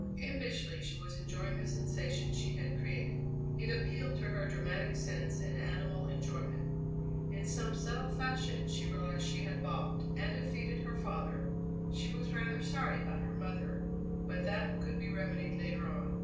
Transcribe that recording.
Impishly she was enjoying the sensation she had created. It appealed to her dramatic sense and animal enjoyment. In some subtle fashion she realized she had balked and defeated her father she was rather sorry about her mother but that could be remedied later on.